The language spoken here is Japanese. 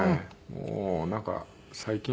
もうなんか最近は。